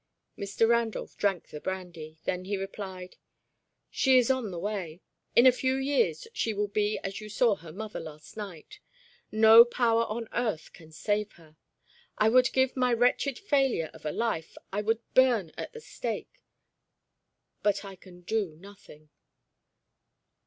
Mr. Randolph drank the brandy. Then he replied, "She is on the way. In a few years she will be as you saw her mother last night; no power on earth can save her. I would give my wretched failure of a life, I would burn at the stake but I can do nothing."